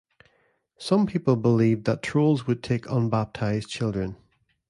Some people believed that trolls would take unbaptized children.